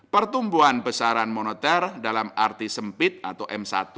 pertumbuhan besaran moneter dalam arti sempit atau m satu